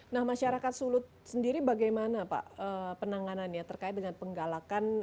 nah masyarakat sulut sendiri bagaimana pak penanganannya terkait dengan penggalakan